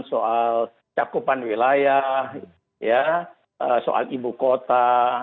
soal cakupan wilayah soal ibu kota